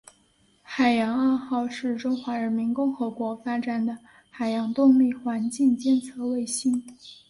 海洋二号是中华人民共和国发展的海洋动力环境监测卫星。